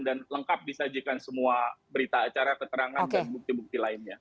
dan lengkap disajikan semua berita acara keterangan dan bukti bukti lainnya